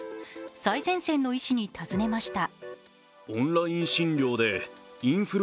最前線の医師にたずねました。